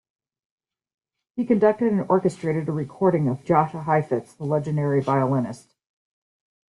He conducted and orchestrated a recording of Jascha Heifetz, the legendary violinist.